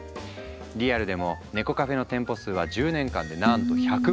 リアルでも猫カフェの店舗数は１０年間でなんと１００倍に。